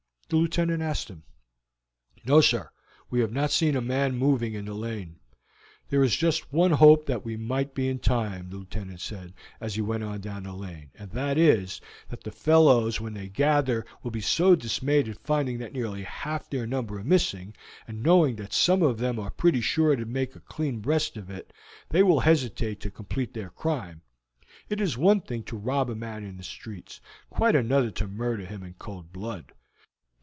the Lieutenant asked him. "No, sir, we have not seen a man moving in the lane." "There is just one hope that we might be in time," the Lieutenant said, as he went on down the lane, "and that is, that the fellows when they gather will be so dismayed at finding that nearly half their number are missing, and knowing that some of them are pretty sure to make a clean breast of it, they will hesitate to complete their crime. It is one thing to rob a man in the streets, quite another to murder him in cold blood.